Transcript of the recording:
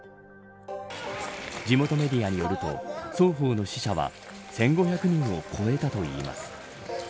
地元メディアによると双方の死者は１５００人を超えたといいます。